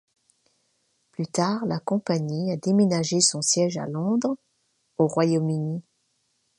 Plus tard, la compagnie a déménagé son siège à Londres, au Royaume-Uni.